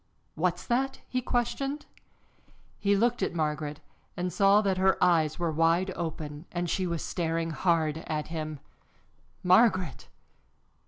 "What's that?" he questioned. He looked at Margaret and saw that her eyes were wide open and she was staring hard at him. "Margaret!"